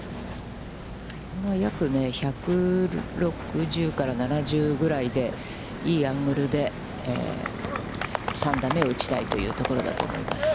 約１６０から７０ぐらいで、いいアングルで３打目を打ちたいというところだと思います。